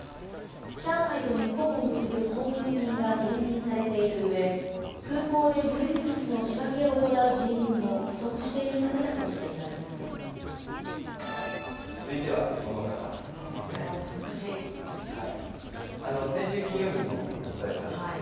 上海と日本を結ぶ航空便が減便されているうえ、空港で郵便物の仕分けを行う人員も不足しているためだとしていま続いては、この方ですね。